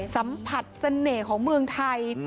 สัมผัสเสน่ห์ของเมืองไทย